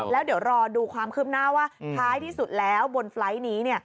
แล้วเดี๋ยวรอดูความคืบหน้าว่าท้ายที่สุดแล้วบนไฟล์ทนี้